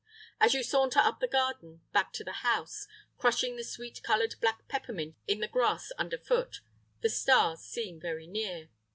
As you saunter up the garden, back to the house, crushing the sweet odoured black peppermint in the grass underfoot, the stars seem very near.